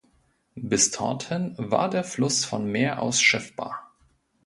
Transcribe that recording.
Bis dorthin war der Fluss von Meer aus schiffbar.